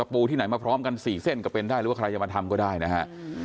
ปูที่ไหนมาพร้อมกัน๔เส้นก็เป็นได้หรือว่าใครจะมาทำก็ได้นะฮะ